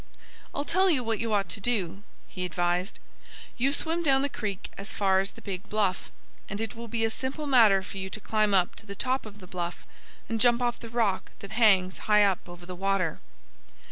"I'll tell you what you ought to do," he advised. "You swim down the creek as far as the big bluff. And it will be a simple matter for you to climb up to the top of the bluff and jump off the rock that hangs high up over the water."